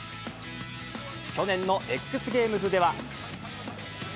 去年のＸゲームズでは。